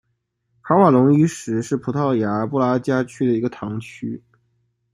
卡瓦隆伊什是葡萄牙布拉加区的一个堂区。